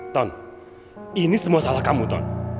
ton ini semua salah kamu ton